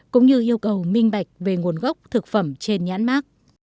cũng như yêu cầu minh bạch về nguồn gốc thực phẩm trên nhãn mát